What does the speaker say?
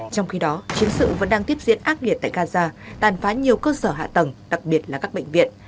trong khi đó chiến sự vẫn đang tiếp diễn ác liệt tại gaza tàn phá nhiều cơ sở hạ tầng đặc biệt là các bệnh viện